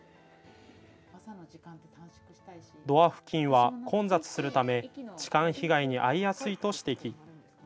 ドア付近は混雑するため痴漢被害に遭いやすいと指摘。